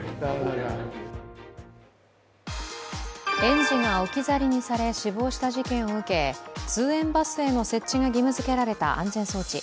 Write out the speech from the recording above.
園児が置き去りにされ死亡した事件を受け通園バスへの設置が義務づけられた安全装置。